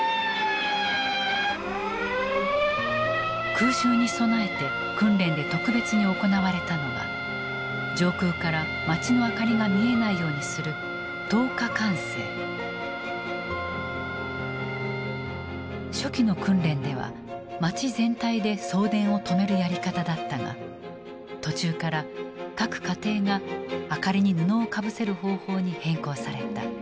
空襲に備えて訓練で特別に行われたのが上空から街の明かりが見えないようにする初期の訓練では街全体で送電を止めるやり方だったが途中から各家庭が明かりに布をかぶせる方法に変更された。